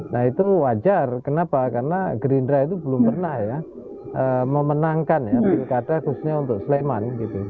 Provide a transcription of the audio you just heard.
nah itu wajar kenapa karena gerindra itu belum pernah ya memenangkan ya pilkada khususnya untuk sleman